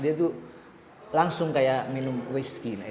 dia itu langsung seperti minum whisky